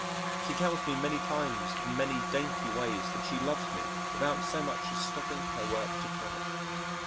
She tells me many times in many dainty ways that she loves me without so much as stopping her work to talk.